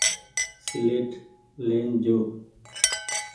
سيليٽ لين جو ۔